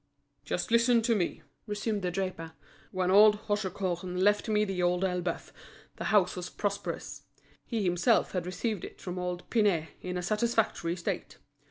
"Just listen to me," resumed the draper. "When old Hauchecorne left me The Old Elbeuf, the house was prosperous; he himself had received it from old Pinet in a satisfactory state.